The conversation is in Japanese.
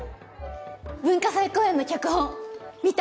文化祭公演の脚本見た？